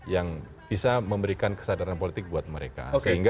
yang bisa memberikan kesadaran politik buat mereka